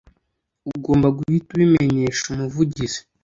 ugomba guhita ubimenyesha umuvugizi